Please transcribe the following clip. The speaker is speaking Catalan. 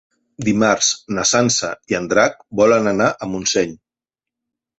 Dimarts na Sança i en Drac volen anar a Montseny.